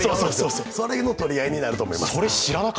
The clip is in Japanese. それの取り合いになると思います。